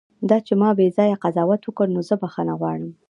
دا چې ما بیځایه قضاوت وکړ، نو زه بښنه غواړم.